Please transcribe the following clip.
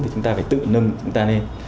thì chúng ta phải tự nâng chúng ta lên